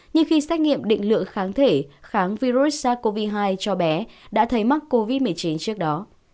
nhưng khi xét nghiệm định lượng kháng thể kháng virus sars cov hai cho bé đã thấy mắc covid một mươi chín trước đó